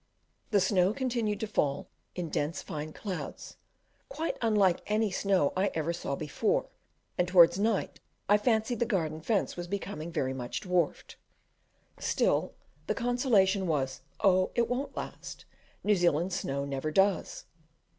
The snow continued to fall in dense fine clouds, quite unlike any snow I ever saw before, and towards night I fancied the garden fence was becoming very much dwarfed. Still the consolation was, "Oh, it won't last; New Zealand snow never: does."